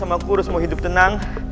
kalo gua sama kurus mau hidup tenang